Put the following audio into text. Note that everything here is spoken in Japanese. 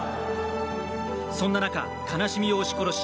そんな中、悲しみを押し殺し